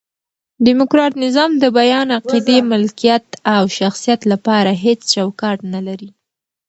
ډیموکرات نظام د بیان، عقیدې، ملکیت او شخصیت له پاره هيڅ چوکاټ نه لري.